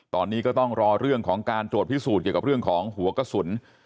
ตอนนี้ก็ต้องรอเรื่องของการตรวจพิสูจน์เกี่ยวกับเรื่องของหัวกระสุน